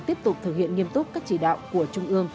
tiếp tục thực hiện nghiêm túc các chỉ đạo của trung ương